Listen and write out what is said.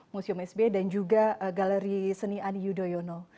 museum sb dan juga galeri seni ani yudhoyono